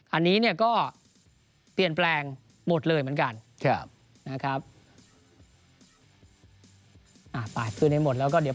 อันนี้เนี่ยก็เปลี่ยนแปลงหมดเลยเหมือนกันนะครับ